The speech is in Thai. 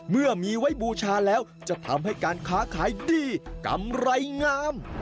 เมื่อมีไว้บูชาแล้วจะทำให้การค้าขายดีกำไรงาม